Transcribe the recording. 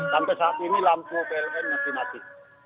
sampai saat ini lampu pln masih mati